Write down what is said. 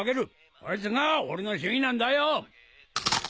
そいつが俺の主義なんだよ！